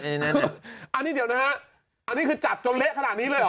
อันนี้เดี๋ยวนะฮะอันนี้คือจับจนเละขนาดนี้เลยเหรอ